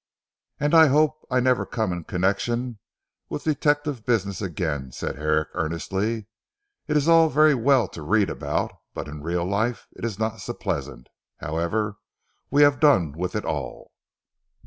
"And I hope I'll never come into connection with detective business again," said Herrick earnestly, "it is all very well to read about: but in real life it is not so pleasant. However we have done with it all."